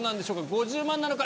５０万なのか？